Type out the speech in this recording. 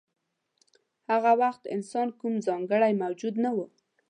هغه وخت انسان کوم ځانګړی موجود نه و.